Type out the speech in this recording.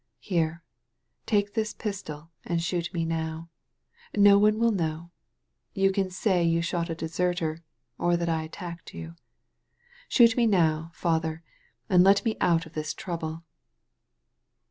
Here, take this pistol and shoot me now ! No one wiU know. You can say you shot a deserter, or that I attacked you. Shoot me now. Father, and let me out of this trouble."